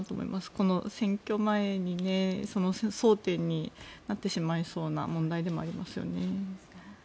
この選挙前に争点になってしまいそうな問題でもありますよね。